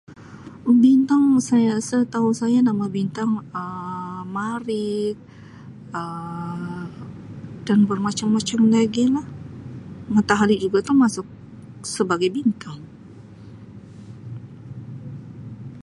Bintang saya setau saya nama bintang Um Marikh Um dan bermacam-macam lagi lah matahari juga tu masuk sebagai bintang.